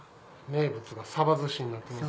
名物が鯖寿司になってます。